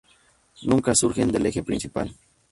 Nunca surgen del eje principal.